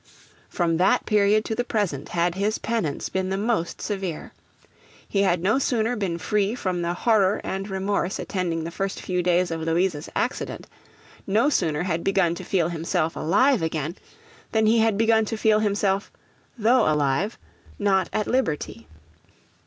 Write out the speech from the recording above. From that period to the present had his penance been the most severe. He had no sooner been free from the horror and remorse attending the first few days of Louisa's accident, no sooner had begun to feel himself alive again, than he had begun to feel himself, though alive, not at liberty.